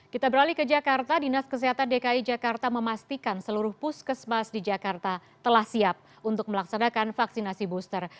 kita beralih ke jakarta dinas kesehatan dki jakarta memastikan seluruh puskesmas di jakarta telah siap untuk melaksanakan vaksinasi booster